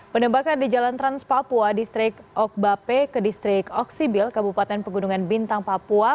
penembakan di jalan trans papua distrik okbape ke distrik oksibil kabupaten pegunungan bintang papua